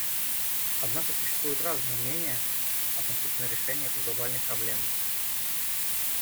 Однако существуют разные мнения относительно решения этой глобальной проблемы.